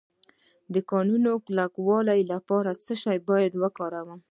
د نوکانو کلکولو لپاره باید څه شی وکاروم؟